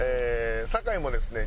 坂井もですね